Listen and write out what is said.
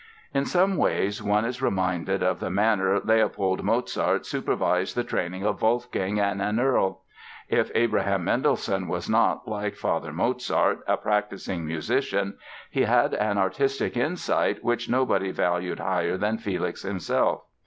In some ways one is reminded of the manner Leopold Mozart supervised the training of Wolfgang and Nannerl. If Abraham Mendelssohn was not, like Father Mozart, a practising musician, he had an artistic insight which nobody valued higher than Felix himself.